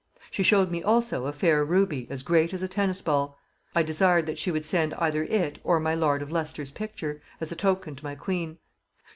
She showed me also a fair ruby, as great as a tennis ball; I desired that she would send either it, or my lord of Leicester's picture, as a token to my queen.